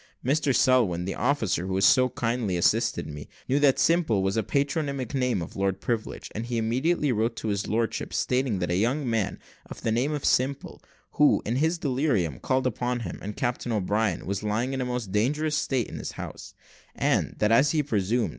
Mr Selwin, the officer who had so kindly assisted me, knew that Simple was the patronymic name of Lord Privilege, and he immediately wrote to his lordship, stating that a young man of the name of Simple, who, in his delirium called upon him and Captain O'Brien, was lying in a most dangerous state in his house, and, that as he presumed.